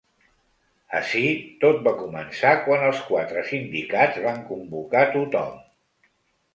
Ací, tot va començar quan els quatre sindicats van convocar tothom.